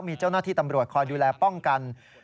มีเจ้าหน้าที่ตำรวจคอยดูแลป้องกัน